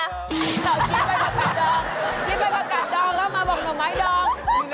กินไปผักกัดดองแล้วมาบอกหน่อไม้ดอง